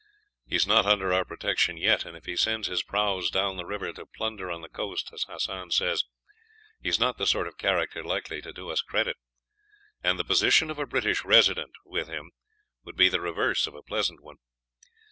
He is not under our protection yet, and if he sends his prahus down the river to plunder on the coast, as Hassan says, he is not the sort of character likely to do us credit, and the position of a British Resident with him would be the reverse of a pleasant one.